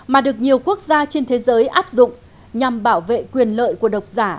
mà được nhiều quốc gia trên thế giới áp dụng nhằm bảo vệ quyền lợi của độc giả